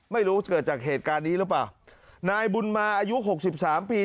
ไม่รู้เกิดจากเหตุการณ์นี้หรือเปล่านายบุญมาอายุหกสิบสามปี